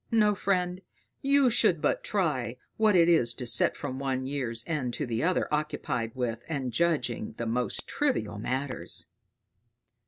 No, friend, you should but try what it is to sit from one year's end to the other occupied with and judging the most trivial matters."